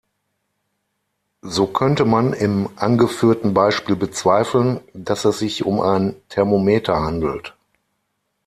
So könnte man im angeführten Beispiel bezweifeln, dass es sich um ein Thermometer handelt.